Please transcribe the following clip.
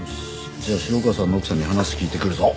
じゃあ城川さんの奥さんに話聞いてくるぞ。